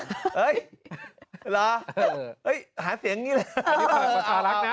เห้ยเหรอเห้ยหาเสียงงี้เลย